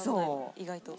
意外と。